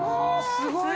すごい！